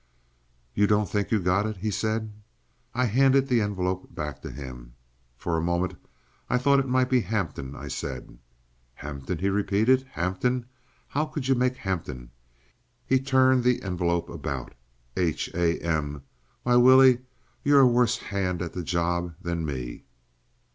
"You don't think you got it?" he said. I handed the envelope back to him. "For a moment I thought it might be Hampton," I said. "Hampton," he repeated. "Hampton. How could you make Hampton?" He turned the envelope about. "H.A.M.—why, Willie, you're a worse hand at the job than me!"